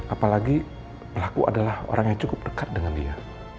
apalagi pelaku adalah orang yang cukup dekat dengan dia